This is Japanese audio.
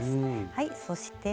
はいそして糸。